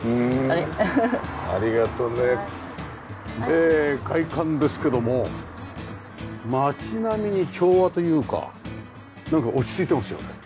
えー外観ですけども街並みに調和というかなんか落ち着いてますよね。